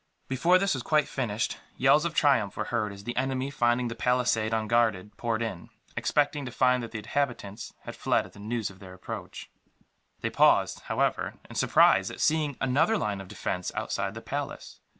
Before this was quite finished, yells of triumph were heard as the enemy, finding the palisade unguarded, poured in; expecting to find that the inhabitants had fled at the news of their approach. They paused, however, in surprise, at seeing another line of defence outside the palace.